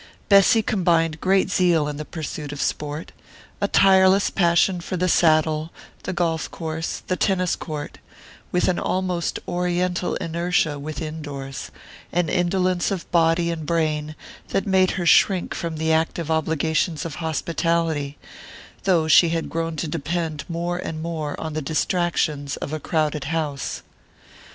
Bessy combined great zeal in the pursuit of sport a tireless passion for the saddle, the golf course, the tennis court with an almost oriental inertia within doors, an indolence of body and brain that made her shrink from the active obligations of hospitality, though she had grown to depend more and more on the distractions of a crowded house.